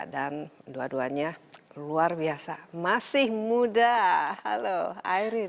dan dua duanya luar biasa masih muda halo ayrin